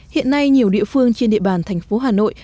hiện nay nhiều địa phương trên địa bàn thành phố hà nội